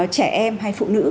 trẻ em hay phụ nữ